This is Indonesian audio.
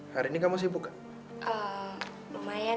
kok banyak webmaster mengambil webmaster